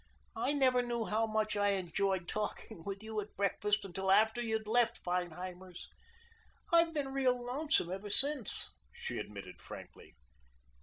I never knew how much I enjoyed talking with you at breakfast until after you had left Feinheimer's. I've been real lonesome ever since," she admitted frankly.